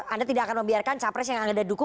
anda tidak akan membiarkan capres yang anda dukung